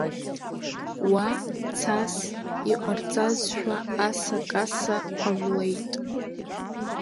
Уа, цас иҟарҵазшәа, асакаса ҟамлеит.